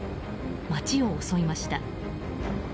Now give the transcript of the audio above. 街を襲いました。